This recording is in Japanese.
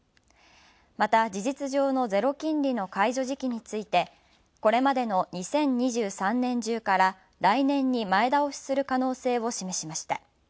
また、事実上のゼロ金利の解除時期についてこれまでの２０２３年中から来年に前倒しする可能性を示しました。